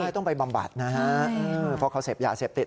ต้องไปบำบัดนะฮะเพราะเขาเสพยาเสพติด